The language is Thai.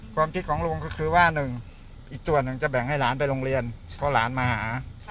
ความคิดของลุงก็คือว่าหนึ่งอีกตัวหนึ่งจะแบ่งให้หลานไปโรงเรียนเพราะหลานมาหา